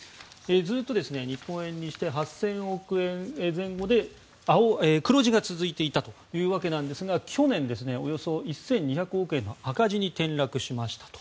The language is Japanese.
ずっと日本円にして８０００億円前後で黒字が続いていたんですが去年およそ１２００億円の赤字に転落しましたと。